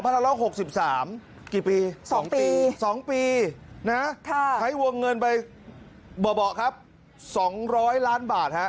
กี่ปี๒ปี๒ปีนะใช้วงเงินไปเบาะครับ๒๐๐ล้านบาทฮะ